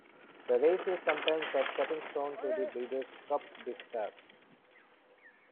The race is sometimes a stepping stone to the Breeders' Cup Distaff.